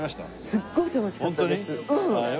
すっごい楽しかったですよ。